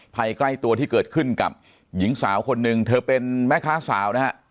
ภัยใกล้ตัวที่เกิดขึ้นกับหญิงสาวคนหนึ่งเธอเป็นแม่ค้าสาวนะฮะ